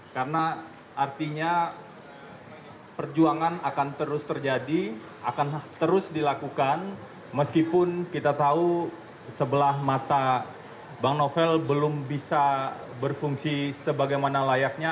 karena artinya perjuangan akan terus terjadi akan terus dilakukan meskipun kita tahu sebelah mata bank novel belum bisa berfungsi sebagaimana layaknya